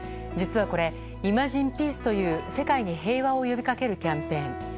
実は、これ「イマジン・ピース」という世界に平和を呼びかけるキャンペーン。